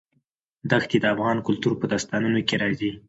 دښتې د افغان کلتور په داستانونو کې راځي.